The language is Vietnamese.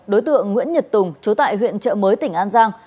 đối tượng nguyễn nhật tùng chố tại huyện chợ mới tỉnh an giang